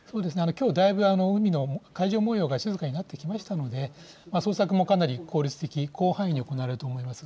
きょう、だいぶ海の、海上もようが静かになってきましたので、捜索もかなり効率的、広範囲に行われると思います。